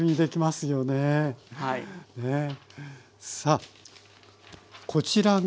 さあこちらが。